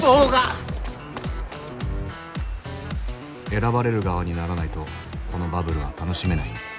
選ばれる側にならないとこのバブルは楽しめない。